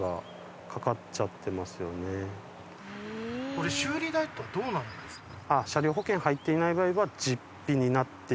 これ修理代っていうのはどうなるんですか？